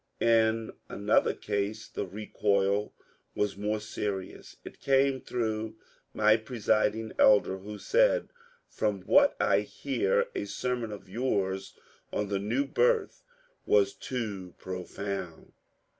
In another case the recoil was more serious ; it came through my presiding elder, who said, ^^ From what I hear, a sermon of yours on the new birth was too profound."